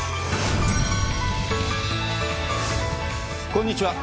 こんにちは。